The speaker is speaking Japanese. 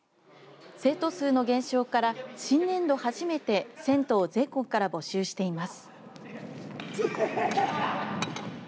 生徒数の減少から新年度初めて生徒を全国から募集しています。